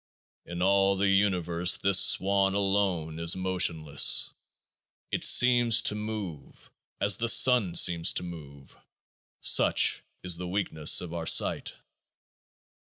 In all the Universe this Swan alone is motion less ; it seems to move, as the Sun seems to move ; such is the weakness of our sight.